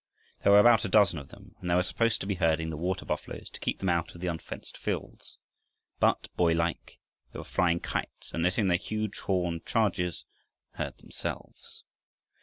There were about a dozen of them, and they were supposed to be herding the water buffaloes to keep them out of the unfenced fields. But, boylike, they were flying kites, and letting their huge horned charges herd themselves.